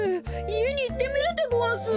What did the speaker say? いえにいってみるでごわす。